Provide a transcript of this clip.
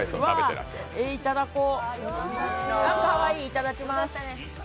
いただきまーす。